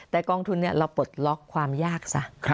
แต่กองทุนเราปลดล็อกความยากซะ